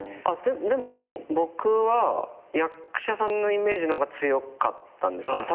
でも僕は役者さんのイメージの方が強かったんです。